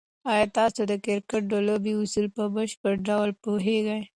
آیا تاسو د کرکټ د لوبې اصول په بشپړ ډول پوهېږئ؟